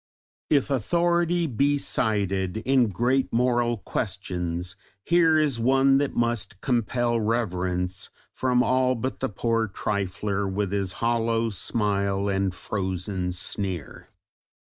If authority be cited in great moral questions here is one that must compel reverence from all but the poor trifler with his "hollow smile and frozen sneer."